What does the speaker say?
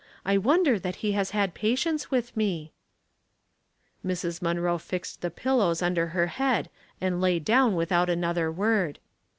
I wonder that he has bad patience with me." Mrs. Munroe fixed the pillows under her head and lay down without another word.